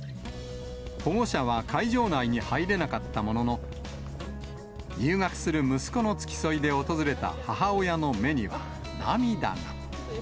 保護者は会場内に入れなかったものの、入学する息子の付き添いで訪れた母親の目には涙が。